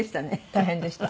大変でした。